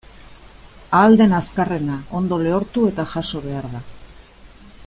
Ahal den azkarrena ondo lehortu eta jaso behar da.